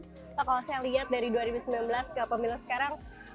pak kalau saya lihat dari dua ribu sembilan belas ke pemilu sekarang